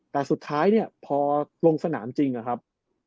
แต่สุดท้ายเนี่ยพอลงสนามจริงนะครับ